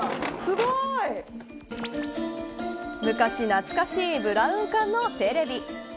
昔懐かしいブラウン管のテレビ。